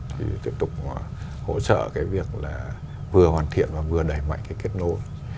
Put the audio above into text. thì tiếp tục hỗ trợ cái việc là vừa hoàn thiện và vừa đẩy mạnh cái kết nối